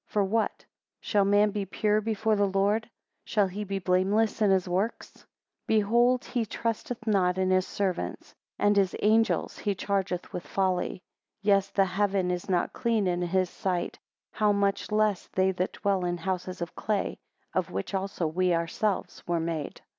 4 For what? Shall man be pure before the Lord? Shall he be blameless in his works? 5 Behold, he trusteth not in his servants; and his angels he chargeth with folly. 6 Yes, the heaven is not clean in his sight, how much less they that dwell in houses of clay; of which also we ourselves were made?